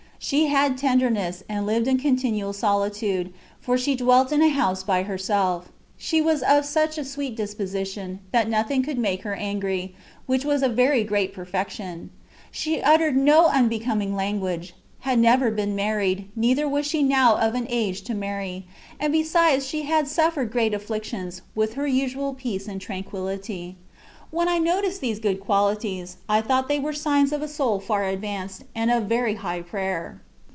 She had tenderness, and lived in continuid solitude, for she dwelt in a house by herself; she * Tbat is, those itmlt whom I have known. B 242 CONCEPTIONS OF DIVINE LOVE. was of sucli a sweet disposition^ that nothing conld make her angry, which was a very great perfec tion j she uttered no unbecoming language; had never been married, neither was she now of an age to marry; and besides, she had suffered great afflictions, with her usual peace and tranquility. When I noticed these good qualities, I thought they were signs of a soul far advanced, and of very high prayer.